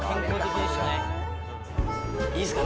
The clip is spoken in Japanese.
いいっすか？